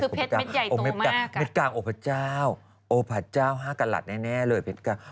ซิวิวชื่อว่าเภสแม็ดใหญ่โตมาก